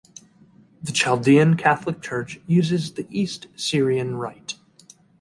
The Chaldean Catholic Church uses the East Syrian Rite.